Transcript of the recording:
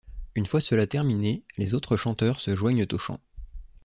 Une fois cela terminé, les autres chanteurs se joignent aux chants.